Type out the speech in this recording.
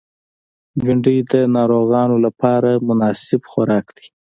بېنډۍ د ناروغانو لپاره مناسب خوراک دی